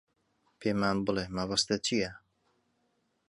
پێمان بڵێ مەبەستت چییە.